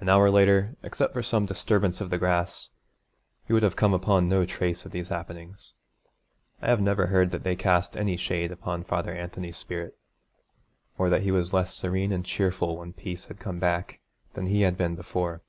An hour later, except for some disturbance of the grass, you would have come upon no trace of these happenings. I have never heard that they cast any shade upon Father Anthony's spirit, or that he was less serene and cheerful when peace had come back than he had been before.